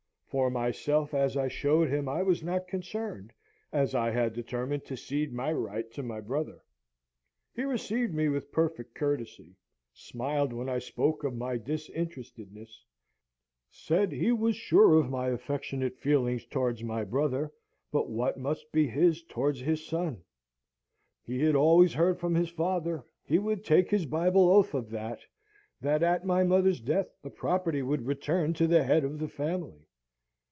For myself, as I showed him, I was not concerned, as I had determined to cede my right to my brother. He received me with perfect courtesy; smiled when I spoke of my disinterestedness; said he was sure of my affectionate feelings towards my brother, but what must be his towards his son? He had always heard from his father: he would take his Bible oath of that: that, at my mother's death, the property would return to the head of the family.